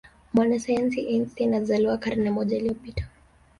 mwanasayansi einstein alizaliwa karne moja iliyopita